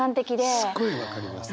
すごい分かります。